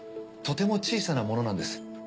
とても小さなものなんです。